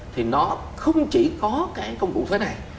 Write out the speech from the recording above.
thì nó không chỉ có cái công cụ thế này